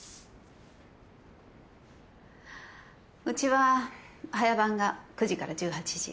うちは早番が９時から１８時。